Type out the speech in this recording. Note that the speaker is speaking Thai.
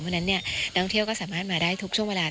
เพราะฉะนั้นนักท่องเที่ยวก็สามารถมาได้ทุกช่วงเวลา